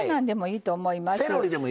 いいと思います。